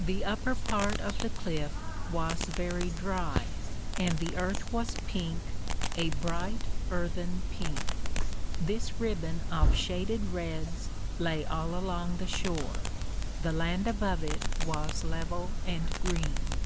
The upper part of the cliff was very dry, and the earth was pink, a bright earthen pink. This ribbon of shaded reds lay all along the shore. The land above it was level and green.